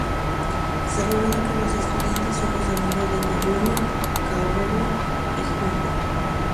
Se revela que los estudiantes son los amigos de Mayumi, Kaoru y Junko.